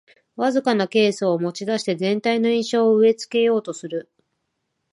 わずかなケースを持ちだして全体の印象を植え付けようとする